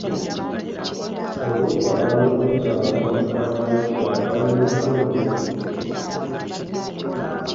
Olw'okwagala okubuzaabuza mukama we kye yava ayimirira omulundi gumu.